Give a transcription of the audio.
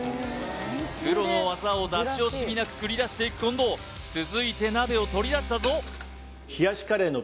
プロの技を出し惜しみなく繰り出していく近藤続いて鍋を取り出したぞ